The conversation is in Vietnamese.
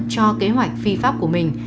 cho kế hoạch phi pháp của mình